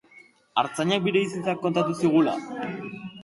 Artzainak bere bizitza kontatu zigula?